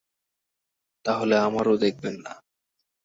তা হলে আমারও দেখবেন না।